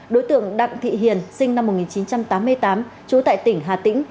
đối tượng đặng thị hiền sinh năm một nghìn chín trăm tám mươi tám trú tại tỉnh hà tĩnh